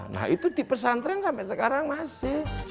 nah itu di pesantren sampai sekarang masih